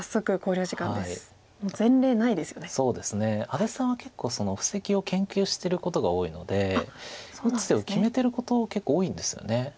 安達さんは結構布石を研究してることが多いので打つ手を決めてること結構多いんですよね。